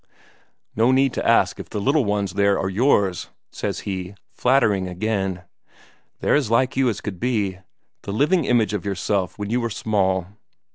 "No need to ask if the little ones there are yours," says he, flattering again. "They're as like you as could be. The living image of yourself when you were small."